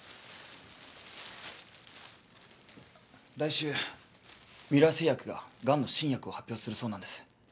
来週ミュラー製薬ががんの新薬を発表するそうなんです。